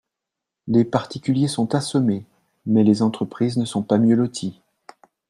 Les particuliers sont assommés, mais les entreprises ne sont pas mieux loties.